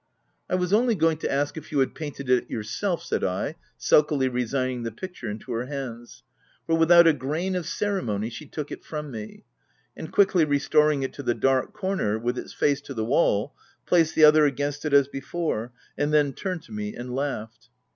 " I was only going to ask if you had painted it yourself/' said I, sulkily resigning the picture into her hands ; for without a grain of cere mony, she took it from me; and quickly restoring it to the dark corner, with its face to the wall, placed the other against it as before, and then turned to me and laughed.